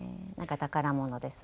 宝物です。